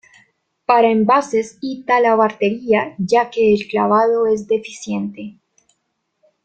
Para envases, y talabartería; ya que el clavado es deficiente